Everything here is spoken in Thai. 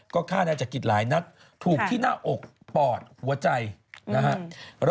ก็ฆ่าแนตจากกริจหลายนักถูกที่หน้าอกปอดหัวใจนะครับ